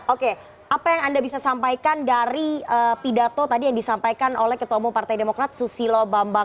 oke apa yang anda bisa sampaikan dari pidato tadi yang disampaikan oleh ketua umum partai demokrat susilo bambang